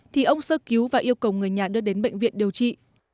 thì ông sơ cứu và yêu cầu người nhà đưa đến bệnh viện điều trị